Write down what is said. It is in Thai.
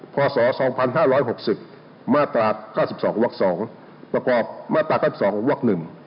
พศ๒๕๖๐มาตรา๙๒วัก๒ประกอบมาตรา๙๒วัก๑